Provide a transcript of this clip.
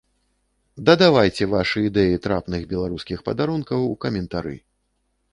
Дадавайце вашы ідэі трапных беларускіх падарункаў у каментары.